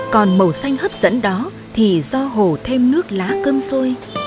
còn màu xanh hấp dẫn đó thì do hồ thêm nước lá cơm sôi